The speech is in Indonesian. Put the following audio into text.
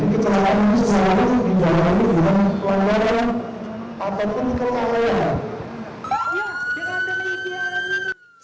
ya dengan dengan iklan ini